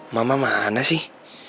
mama mana sih